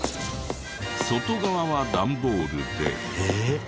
外側はダンボールで。